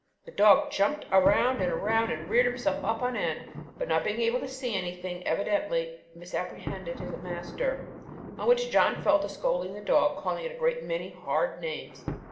The dog jumped around and around, and reared himself up on end; but not being able to see anything, evidently misapprehended his master, on which John fell to scolding his dog, calling it a great many hard names.